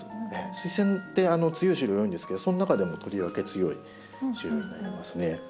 スイセンって強い種類多いんですけどその中でもとりわけ強い種類になりますね。